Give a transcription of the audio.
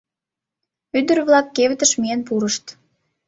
Ӱдыр-влак кевытыш миен пурышт.